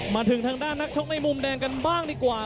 มาถึงทางด้านนักชกในมุมแดงกันบ้างดีกว่า